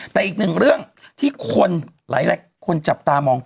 แต่อีก๑เรื่องที่หลายแหลกคนจับตามอง